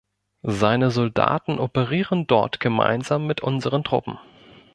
Seine Soldaten operieren dort gemeinsam mit unseren Truppen.